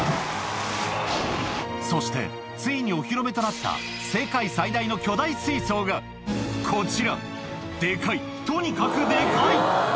そして、ついにお披露目となった世界最大の巨大水槽がこちら、でかい、とにかくでかい。